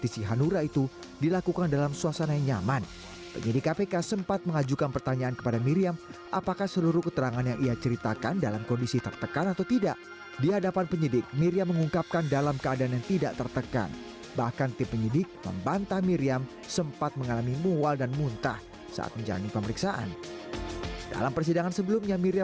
siapa pemenang siapa yang mengendalikan dan mulai perencanaan pelaksanaan sampai eksekusi